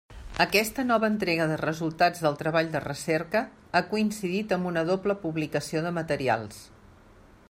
Aquesta nova entrega de resultats del treball de recerca ha coincidit amb una doble publicació de materials.